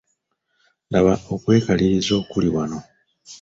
Laba okwekaliriza okuli wano!